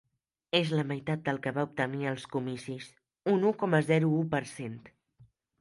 És la meitat del que va obtenir als comicis, un u coma zero u per cent.